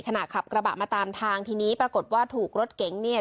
ขณะขับกระบะมาตามทางทีนี้ปรากฏว่าถูกรถเก๋งเนี่ย